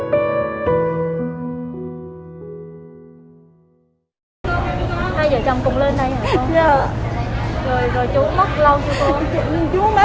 rồi rồi chú mất lâu chưa cô